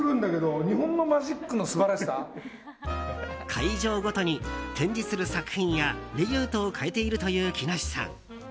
会場ごとに展示する作品やレイアウトを変えているという木梨さん。